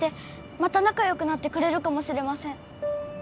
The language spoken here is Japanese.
また仲よくなってくれるかもしれません